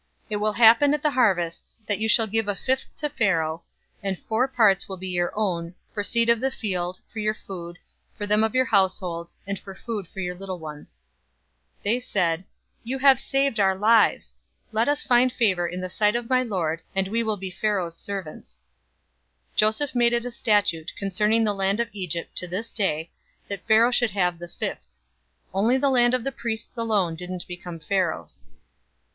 047:024 It will happen at the harvests, that you shall give a fifth to Pharaoh, and four parts will be your own, for seed of the field, for your food, for them of your households, and for food for your little ones." 047:025 They said, "You have saved our lives! Let us find favor in the sight of my lord, and we will be Pharaoh's servants." 047:026 Joseph made it a statute concerning the land of Egypt to this day, that Pharaoh should have the fifth. Only the land of the priests alone didn't become Pharaoh's.